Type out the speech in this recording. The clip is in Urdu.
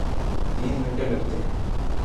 تین گھنٹے لگتے ہیں۔